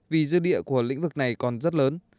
vì dư địa của lĩnh vực này còn rất lớn